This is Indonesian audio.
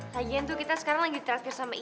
lagian tuh kita sekarang lagi terakhir sama ini